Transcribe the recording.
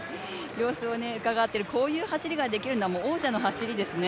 様子をうかがっているこういう走りができるのは王者の走りですね。